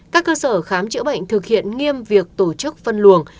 các cơ sở khám chữa bệnh thực hiện nghiêm việc tổ chức phân luồng